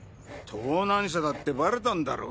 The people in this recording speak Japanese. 盗難車だってばれたんだろ？